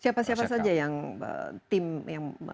siapa siapa saja yang tim yang